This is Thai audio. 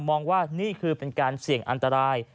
มองว่านี่คือเป็นการเสี่ยงอันตราย